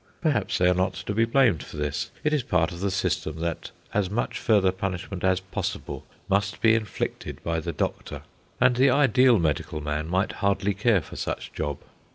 Perhaps they are not to be blamed for this. It is part of the system that as much further punishment as possible must be inflicted by the doctor, and the ideal medical man might hardly care for such job.